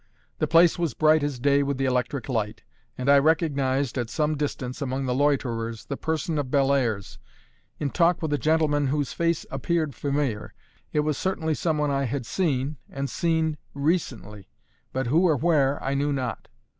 The place was bright as day with the electric light; and I recognised, at some distance among the loiterers, the person of Bellairs in talk with a gentleman whose face appeared familiar. It was certainly some one I had seen, and seen recently; but who or where, I knew not.